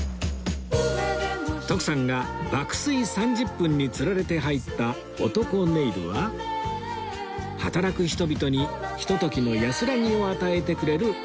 徳さんが「爆睡３０分」につられて入ったオトコネイルは働く人々にひとときの安らぎを与えてくれるお店